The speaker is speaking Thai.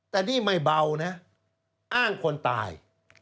แต่นี่ไม่เบานะอ้างคนตาย